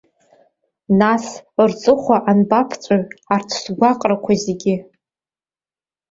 Нас рҵыхәа анбаԥҵәауеи арҭ сгәаҟрақәа зегьы?